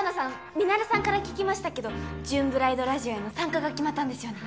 ミナレさんから聞きましたけど『ジューンブライドラジオ』への参加が決まったんですよね？